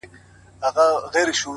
• له کلونو ناپوهی یې زړه اره سو,